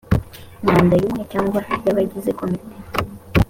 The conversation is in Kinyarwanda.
manda y umwe cyangwa y abagize komite